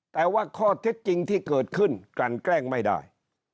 แต่ว่าข้อเท็จจริงที่เกิดขึ้นกลั่นแกล้งไม่ได้